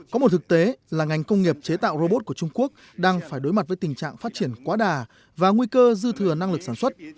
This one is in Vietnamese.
có một thực tế là ngành công nghiệp chế tạo robot của trung quốc đang phải đối mặt với tình trạng phát triển quá đà và nguy cơ dư thừa năng lực sản xuất